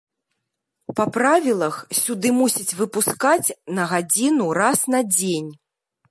Па правілах, сюды мусяць выпускаць на гадзіну раз на дзень.